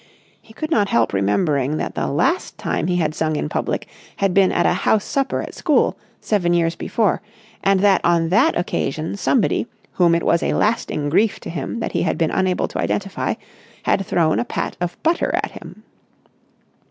He could not help remembering that the last time he had sung in public had been at a house supper at school, seven years before, and that on that occasion somebody whom it was a lasting grief to him that he had been unable to identify had thrown a pat of butter at him.